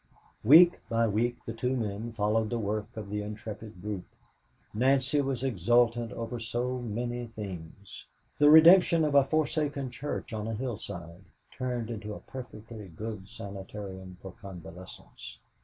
Week by week the two men followed the work of the intrepid group. Nancy was exultant over so many things! The redemption of a forsaken church on a hillside turned into a perfectly good sanitarium for convalescents.